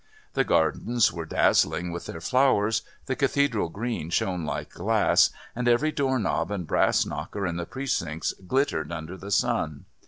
The gardens were dazzling with their flowers, the Cathedral Green shone like glass, and every door knob and brass knocker in the Precincts glittered under the sun.